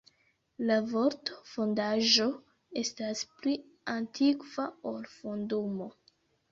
La vorto "fondaĵo" estas pli antikva ol "fondumo".